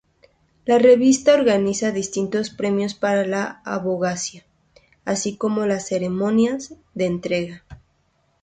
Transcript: La revista organiza distintos premios para la abogacía, así como las ceremonias de entrega.